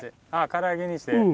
から揚げにして？